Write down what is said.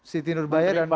siti nurbaya dan wisata